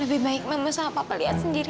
lebih baik mama sama papa lihat sendiri